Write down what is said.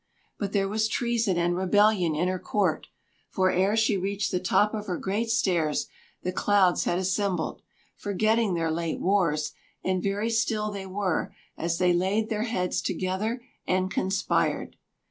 But there was treason and rebellion in her court; for ere she reached the top of her great stairs the clouds had assembled, forgetting their late wars, and very still they were as they laid their heads together and conspired.